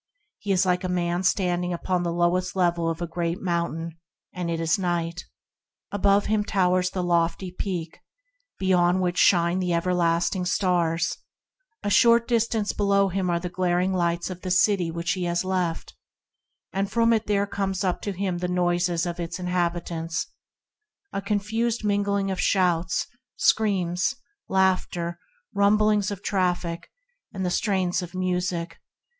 He is like a man standing at the foot of a great mountain, and it is night. Above him towers the lofty peak, beyond which shine the everlasting stars; a short distance below him are the glaring lights of the city he has left, and from it there come up to him the noises of its inhabitants — a confused mingling of shouts, screams, laughter, rumblings of traffic, and the strains of music.